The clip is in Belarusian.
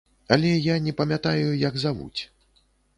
Але я не памятаю, як завуць.